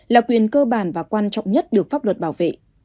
là quyền cơ bản và quan trọng nhất được pháp luật bảo vệ